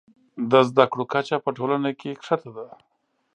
د زده کړو کچه په ټولنه کې ښکته ده.